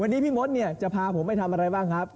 วันนี้พี่มดเนี่ยจะพาผมไปทำอะไรบ้างครับ